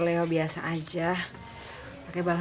kita bisa ber singer instagram